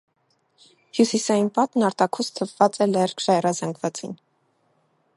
Հյուսիսային պատն արտաքուստ հպված է լերկ ժայռազանգվածին։